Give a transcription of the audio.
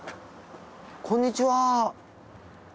こんにちは。